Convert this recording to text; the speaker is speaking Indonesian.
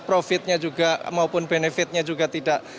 profitnya juga maupun benefitnya juga tidak